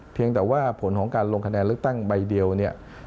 เพียงแต่ว่าผลของการลงคะแนนเลือกตั้งใบเดียวเนี่ย